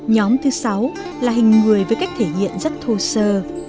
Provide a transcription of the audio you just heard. nhóm thứ sáu là hình người với cách thể hiện rất thô sơ